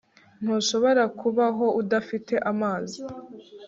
ntushobora kubaho udafite amazi